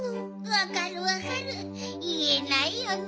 わかるわかるいえないよね。